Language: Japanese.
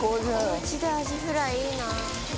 おうちでアジフライいいな。